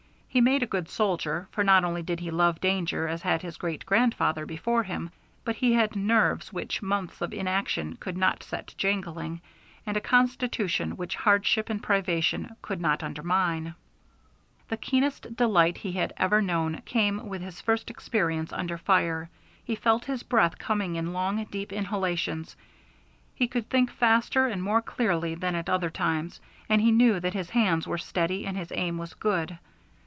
He made a good soldier, for not only did he love danger as had his great grandfather before him, but he had nerves which months of inaction could not set jangling, and a constitution which hardship and privation could not undermine. The keenest delight he had ever known came with his first experience under fire. He felt his breath coming in long deep inhalations; he could think faster and more clearly than at other times, and he knew that his hands were steady and his aim was good.